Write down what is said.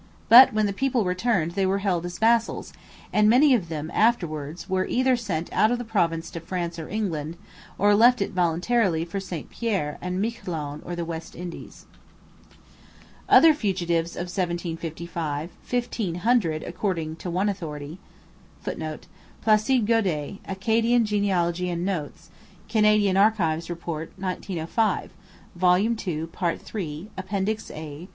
But when the people returned they were held as vassals; and many of them afterwards were either sent out of the province to France or England, or left it voluntarily for St Pierre and Miquelon or the West Indies. Other fugitives of 1755, fifteen hundred, according to one authority, [Footnote: Placide Gaudet, 'Acadian Genealogy and Notes,' Canadian Archives Report, 1905. vol. ii, part iii, Appendix A, p.